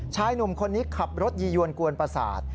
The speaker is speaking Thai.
ชายหนุ่มคนนี้ขับรถยียวนกวนประสาท